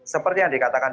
seperti yang dikatakan